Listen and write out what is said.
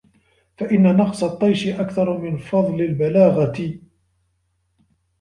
فَإِنَّ نَقْصَ الطَّيْشِ أَكْثَرُ مِنْ فَضْلِ الْبَلَاغَةِ